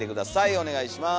お願いします。